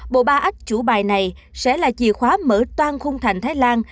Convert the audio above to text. bộ ba ách chủ bài này sẽ là chìa khóa mở toàn khung thành thái lan